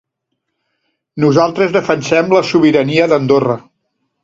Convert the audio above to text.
Nosaltres defensem la sobirania d’Andorra.